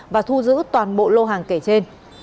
và thu giữ toàn bộ lô hàng kể trên